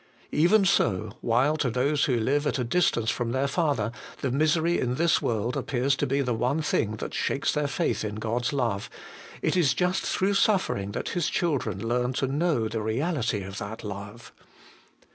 Even so, while to those who live at a distance from their Father, the misery in this world appears to be the one thing that shakes their faith in God's Love, it is just through suffering that His children learn to know the Reality of that Love.